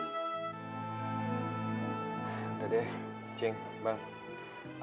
udah deh cing bang